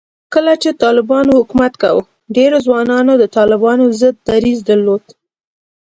کله چې طالبانو حکومت کاوه، ډېرو ځوانانو د طالبانو ضد دریځ درلود